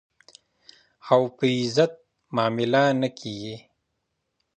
او په عزت معامله نه کېږي.